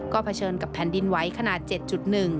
ก็เผชิญกับแผ่นดินไหวขนาด๗๑